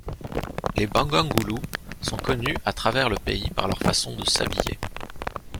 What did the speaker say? Les Bangangulu sont connus à travers le pays par leur façon de s'habiller.